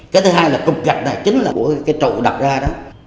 cái thứ hai là cục gạch này chính là của cái trụ đặt ra đó